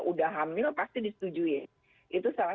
sudah hamil pasti disetujui itu salah